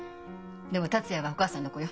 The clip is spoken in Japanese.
でも達也はお母さんの子よ。